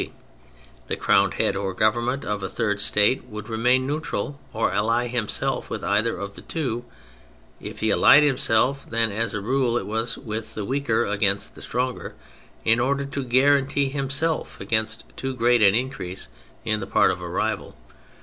C, the crowned head or Government of a third State, would remain neutral or ally himself with either of the two ; if he allied himself, then, as a rule, it was with the weaker against the stronger, in order to guarantee himself against too great an increase on the part of a rival.